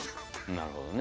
なるほどね。